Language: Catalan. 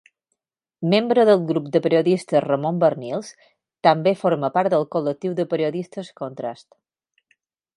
Membre del Grup de Periodistes Ramon Barnils, també forma part del Col·lectiu de Periodistes Contrast.